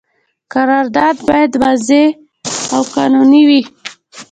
قرارداد باید واضح او قانوني وي.